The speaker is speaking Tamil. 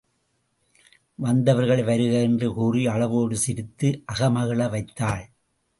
வந்தவர்களை வருக என்று கூறி அளவோடு சிரித்து அகமகிழ வைத்தாள்.